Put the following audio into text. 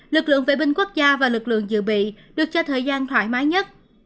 lực lượng vệ binh quốc gia và lực lượng dự bị được cho thời gian thoải mái nhất